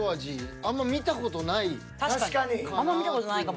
あんま見た事ないかも。